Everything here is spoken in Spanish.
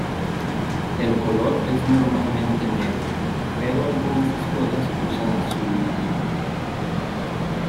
El color es normalmente negro, pero algunas escuelas usan azul marino.